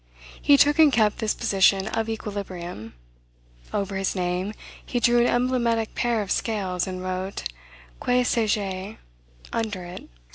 He took and kept this position of equilibrium. Over his name, he drew an emblematic pair of scales, and wrote, Que sais je? under it.